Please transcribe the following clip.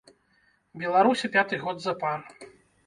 Беларусі пяты год запар.